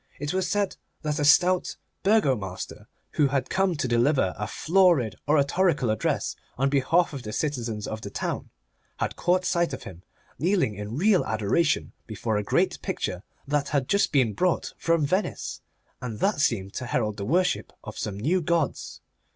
It was said that a stout Burgo master, who had come to deliver a florid oratorical address on behalf of the citizens of the town, had caught sight of him kneeling in real adoration before a great picture that had just been brought from Venice, and that seemed to herald the worship of some new gods.